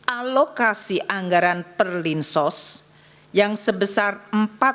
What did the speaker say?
alokasi anggaran perlinsos yang sebesar rp empat ratus